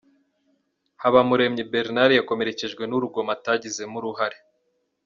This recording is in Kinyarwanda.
Habamuremyi Bernard yakomerekejwe n’urugoma atagizemo uruhare.